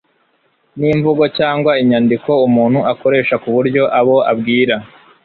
n'imvugo cyangwa inyandiko umuntu akoresha kuburyo abo abwira